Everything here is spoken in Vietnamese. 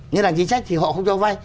ngân hàng chính sách thì họ không cho vay